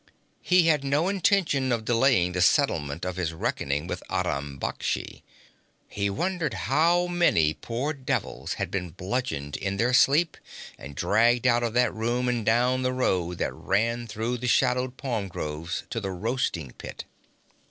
He had no intention of delaying the settlement of his reckoning with Aram Baksh. He wondered how many poor devils had been bludgeoned in their sleep and dragged out of that room and down the road that ran through the shadowed palm groves to the roasting pit.